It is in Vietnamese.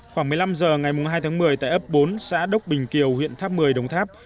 khoảng một mươi năm h ngày hai tháng một mươi tại ấp bốn xã đốc bình kiều huyện tháp một mươi đồng tháp